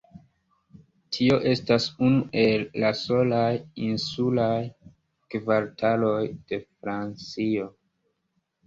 Tio estas unu el la solaj insulaj kvartaloj de Francio.